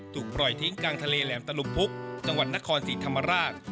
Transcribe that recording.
ถูกปล่อยทิ้งกลางทะเลแหลมตะลุมพุกจังหวัดนครศรีธรรมราช